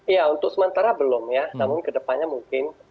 ya untuk sementara belum ya namun ke depannya mungkin